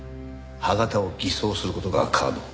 歯形を偽装する事が可能。